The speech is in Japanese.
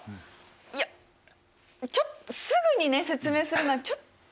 いやちょっとすぐにね説明するのはちょっと。